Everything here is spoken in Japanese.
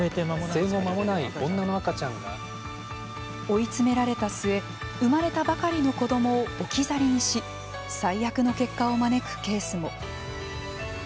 追い詰められた末生まれたばかりの子どもを置き去りにし最悪の結果を招くケースも。